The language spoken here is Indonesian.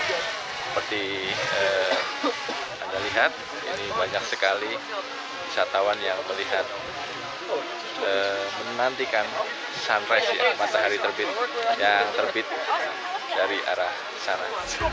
seperti anda lihat ini banyak sekali wisatawan yang melihat menantikan sunrise ya matahari terbit yang terbit dari arah sana